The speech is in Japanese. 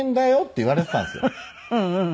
うんうん。